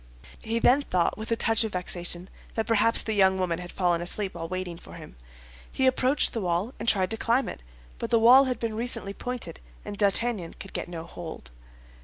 He then thought, with a touch of vexation, that perhaps the young woman had fallen asleep while waiting for him. He approached the wall, and tried to climb it; but the wall had been recently pointed, and D'Artagnan could get no hold.